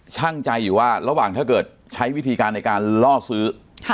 ช่างใจอยู่ว่าระหว่างถ้าเกิดใช้วิธีการในการล่อซื้อ